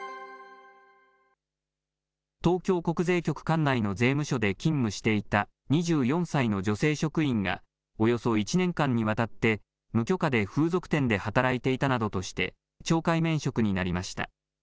東京国税局管内の税務署で勤務していた、２４歳の女性職員が、およそ１年間にわたって無許可で風俗店で働いていたなどとして、懲戒免職になりました。